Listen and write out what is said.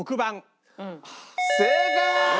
正解！